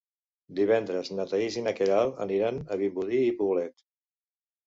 Divendres na Thaís i na Queralt aniran a Vimbodí i Poblet.